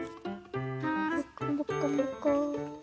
もこもこもこ。